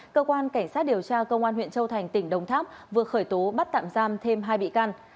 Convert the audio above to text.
cơ quan cảnh sát điều tra công an huyện châu thành tỉnh đồng tháp vừa khởi tố bắt tạm giam thêm hai bị can